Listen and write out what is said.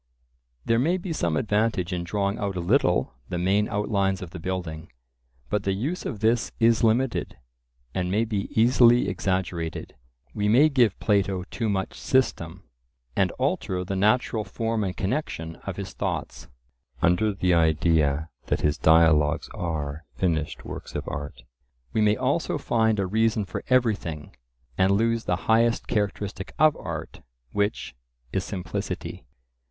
There may be some advantage in drawing out a little the main outlines of the building; but the use of this is limited, and may be easily exaggerated. We may give Plato too much system, and alter the natural form and connection of his thoughts. Under the idea that his dialogues are finished works of art, we may find a reason for everything, and lose the highest characteristic of art, which is simplicity.